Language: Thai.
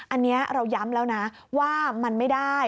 อันนี้เราย้ำแล้วนะว่ามันไม่ได้